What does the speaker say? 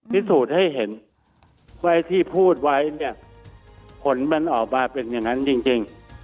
พิสูจน์ให้เห็นว่าที่พูดไว้เนี่ยผลมันออกมาเป็นอย่างนั้นจริง